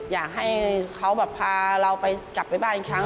อยากให้เขาแบบพาเราไปกลับไปบ้านอีกครั้ง